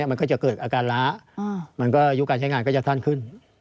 มันก็จะเกิดอาการล้ามันก็ยุคการใช้งานก็จะสั้นขึ้น